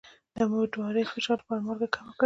د امیدوارۍ د فشار لپاره مالګه کمه کړئ